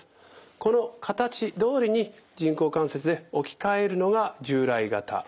この形どおりに人工関節で置き換えるのが従来型。